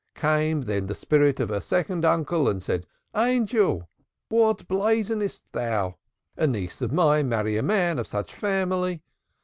Came then the spirit of her second uncle and said: 'Angel, what blazonest thou? A niece of mine marry a man of such family?'